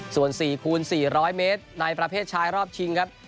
ส่วน๔คูณ๔๐๐เมตรในประเภทชายรอบชิงครับ